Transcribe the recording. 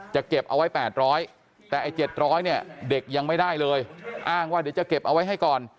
จะเก็บเอาไว้๘๐๐บาทแต่๗๐๐บาทเด็กยังไม่ได้เลยอ้างว่าเด็กจะเก็บเอาไว้ให้ก่อน